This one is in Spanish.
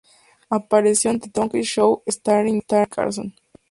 Apareció en "The Tonight Show Starring Johnny Carson".